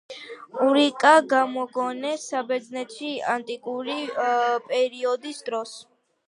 ურიკა გამოიგონეს საბერძნეთში ანტიკური პერიოდის დროს.